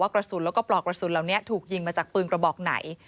กระสุนปลอกกระสุนถูกยิงมาจากปืนกระบอกไหน